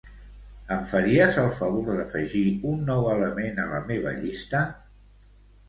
Em faries el favor d'afegir un nou element a la meva llista?